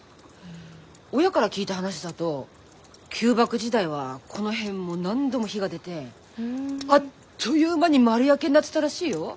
親から聞いた話だと旧幕時代はこの辺も何度も火が出てあっという間に丸焼けになってたらしいよ。